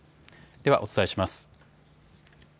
ではお伝えします。